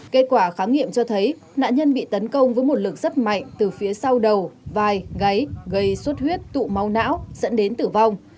kết quả khám nghiệm cho thấy nạn nhân bị tấn công với một lực rất mạnh từ phía sau đầu vài gáy gây suốt huyết tụ máu não dẫn đến tử vong